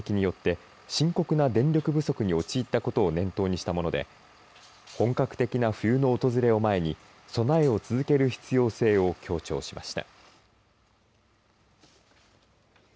ロシア軍によるインフラ施設への攻撃によって深刻な電力不足に陥ったことを念頭にしたもので本格的な冬の訪れを前に備えを続ける必要性を強調しました。